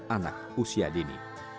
anak usia dini